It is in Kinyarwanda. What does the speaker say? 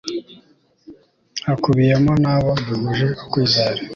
hakubiyemo n'abo duhuje ukwizera